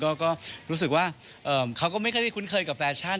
ก็รู้สึกว่าเขาก็ไม่ค่อยได้คุ้นเคยกับแฟชั่น